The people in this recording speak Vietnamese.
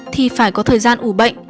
thì phải có thời gian ủ bệnh